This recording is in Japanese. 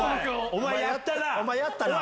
お前やったな。